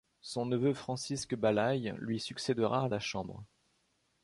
Son neveu Francisque Balaÿ lui succédera à la Chambre.